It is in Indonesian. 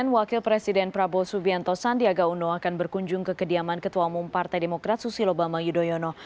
wakil presiden prabowo subianto sandiaga uno akan berkunjung ke kediaman ketua umum partai demokrat susilo bambang yudhoyono